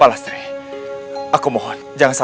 aku mohon jangan